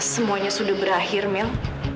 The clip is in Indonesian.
semuanya sudah berakhir mil